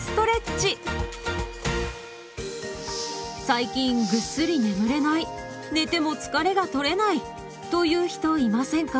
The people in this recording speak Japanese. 最近ぐっすり眠れない寝ても疲れがとれないという人いませんか？